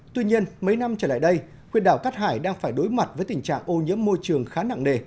tuy nhiên mấy năm trở lại đây huyện đảo cát hải đang phải đối mặt với tình trạng ô nhiễm môi trường khá nặng nề